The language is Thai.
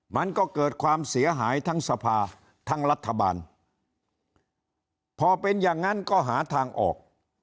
มันก็เกิดความเสียหายทั้งสภาทั้งรัฐบาลพอเป็นอย่างนั้นก็หาทางออก